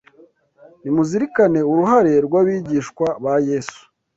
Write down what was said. Nimuzirikane uruhare w’abigishwa ba Yesu